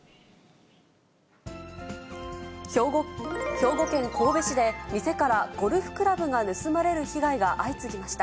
兵庫県神戸市で、店からゴルフクラブが盗まれる被害が相次ぎました。